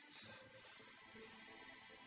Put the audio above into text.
mau jadi kayak gini sih salah buat apa